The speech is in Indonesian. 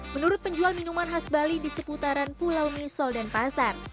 menurut penjual minuman khas bali di seputaran pulau misol dan pasar